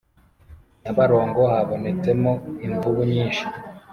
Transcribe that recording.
Nyabarongo habonetsemo imvubu nyinshi